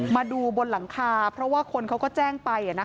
มาดูบนหลังคาเพราะว่าคนเขาก็แจ้งไป